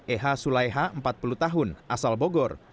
eha sulaiha empat puluh tahun asal bogor